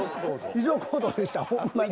異常行動でしたほんまに。